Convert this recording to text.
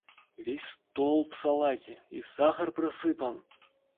Весь стол в салате! и сахар просыпан!